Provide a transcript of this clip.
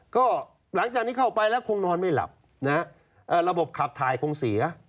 ก็หลังจากนี้เข้าไปแล้วคงนอนไม่หลับนะฮะระบบขับถ่ายคงเสีย